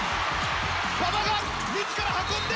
馬場が自ら運んで。